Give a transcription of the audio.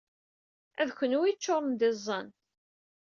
D kenwi ay yeččuṛen d iẓẓan.